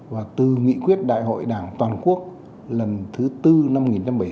và từ nghị quyết đại hội đảng toàn quốc lần thứ bốn năm một nghìn chín trăm bảy mươi sáu